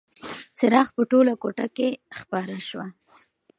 څراغ په ټوله کوټه کې خپره شوه.